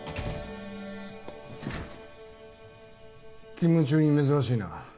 勤務中に珍しいな。